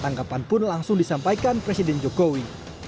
tanggapan pun langsung disampaikan presiden jokowi